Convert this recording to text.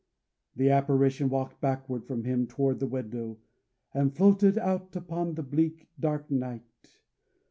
The apparition walked backward from him toward the window, and floated out upon the bleak, dark night.